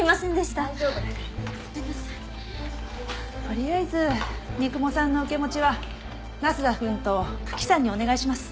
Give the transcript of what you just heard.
とりあえず三雲さんの受け持ちは那須田くんと九鬼さんにお願いします。